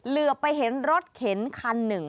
เหลือไปเห็นรถเข็นคันหนึ่ง